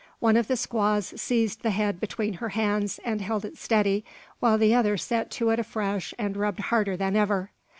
One of the squaws seized the head between her hands, and held it steady, while the other set to it afresh and rubbed harder than ever.